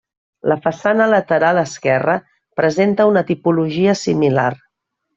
La façana lateral esquerra presenta una tipologia similar.